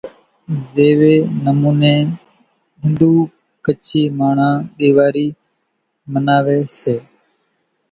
زيوي نموني ھندو ڪڇي ماڻۿان ۮيواري مناوي سي